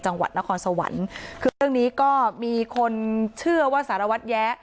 จังหวัดนครสวรรค์คือเรื่องนี้ก็มีคนเชื่อว่าสารวัตรแย้